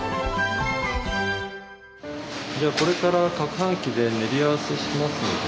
じゃあこれからかくはん機で練り合わせしますので。